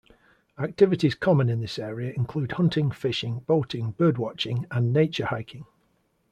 Activities common in this area include hunting, fishing, boating, bird watching and nature hiking.